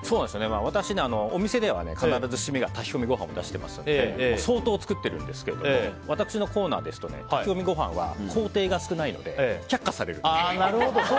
私、お店では必ず締めは炊き込みご飯を出してますので相当作っているんですけど私のコーナーですと炊き込みご飯は工程が少ないので却下されるんです。